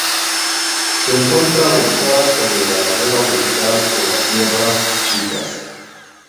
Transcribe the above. Se encuentra ubicada sobre la ladera oriental de las Sierras Chicas.